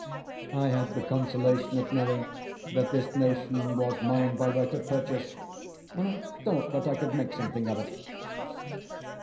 I had the consolation of knowing that this notion was mine by right of purchase, and I thought that I could make something of it.